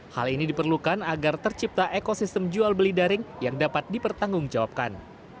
hal ini diperlukan agar tercipta ekosistem jual beli daring yang dapat dipertanggungjawabkan